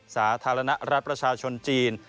สาธารณรัฐประชาชนจีน